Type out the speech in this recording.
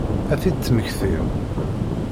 Ad t-id-temmektim?